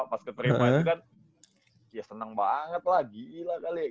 pas keterima itu kan ya senang banget lah gila kali